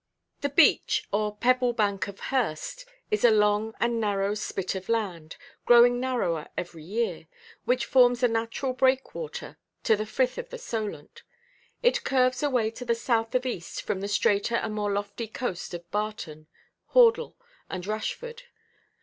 The beach, or pebble bank of Hurst, is a long and narrow spit of land, growing narrower every year, which forms a natural breakwater to the frith of the Solent. It curves away to the south of east from the straighter and more lofty coast of Barton, Hordle, and Rushford.